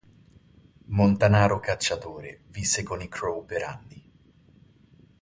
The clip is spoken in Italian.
Montanaro cacciatore, visse con i Crow per anni.